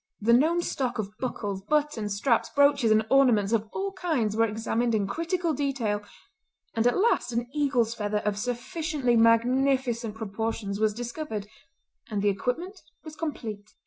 The known stock of buckles, buttons, straps, brooches and ornaments of all kinds were examined in critical detail; and at last an eagle's feather of sufficiently magnificent proportions was discovered, and the equipment was complete.